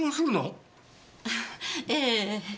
ええ。